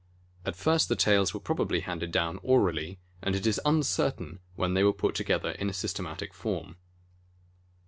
At first the tales were prob ably handed down orally, and it is uncertain when they were put together in systematic form.